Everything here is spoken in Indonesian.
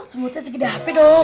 semutnya segede hp dok